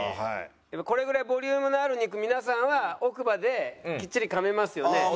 これぐらいボリュームのある肉皆さんは奥歯できっちり噛めますよね。